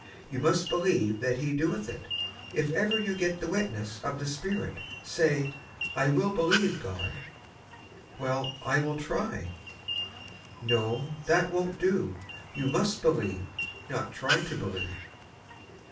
Y''ou must believe that Fie doeth it, if ever you get the witness of the Spirit. Say, ' I will believe God.' " FAITH IS WHAT YOU WANT. 95 "Well, I will try.^' "No, that w'on't do; you must believe, not try to believe.